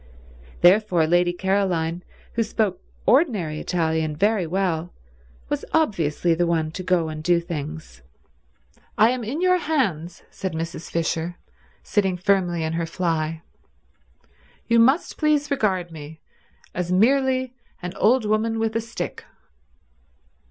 Therefore Lady Caroline, who spoke ordinary Italian very well, was obviously the one to go and do things. "I am in your hands," said Mrs. Fisher, sitting firmly in her fly. "You must please regard me as merely an old woman with a stick."